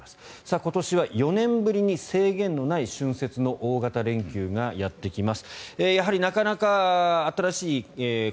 今年は４年ぶりに制限のない春節の大型連休がやってきます。